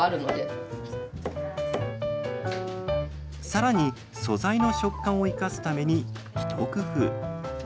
さらに素材の食感を生かすために一工夫。